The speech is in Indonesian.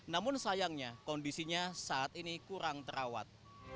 namun sayangnya kondisinya saat ini kurang terawat